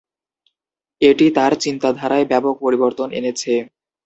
এটি তার চিন্তাধারায় ব্যাপক পরিবর্তন এনেছে।